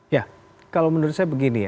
ya kalau menurut saya begini ya